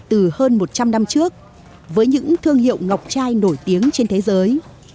từ hơn một trăm linh năm trước với những thương hiệu ngọc chai nổi tiếng trên thế giới